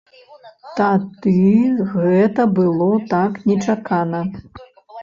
Тады гэта было так нечакана.